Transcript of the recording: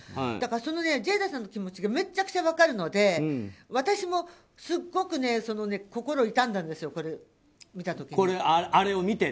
だから、ジェイダさんの気持ちがめちゃくちゃ分かるので私もすごく心痛んだんですこれを見た時に。